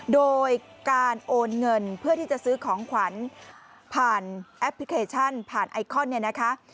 โดยการโอนเงินเพื่อที่จะซื้อของขวัญผ่านแอปพลิเคชันผ่านไอคอนเนี่ยนะคะ